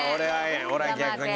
俺は逆に。